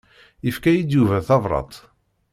Yefka-yi-d Yuba tabrat.